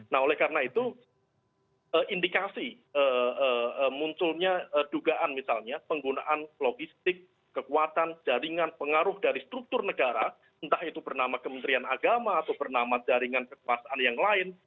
nah oleh karena itu indikasi munculnya dugaan misalnya penggunaan logistik kekuatan jaringan pengaruh dari struktur negara entah itu bernama kementerian agama atau bernama jaringan kekuasaan yang lain